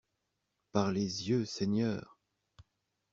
Par les yeux, Seigneur!